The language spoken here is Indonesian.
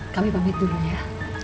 kami pamit dulu ya